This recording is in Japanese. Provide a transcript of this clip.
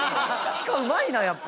ひかうまいなやっぱ。